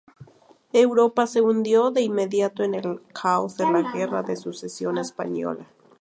Europa se hundió de inmediato en el caos de la Guerra de Sucesión Española.